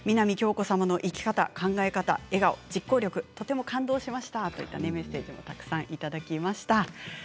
南杏子さんの生き方考え方、笑顔、実行力とても感動しましたというメッセージもいただきました。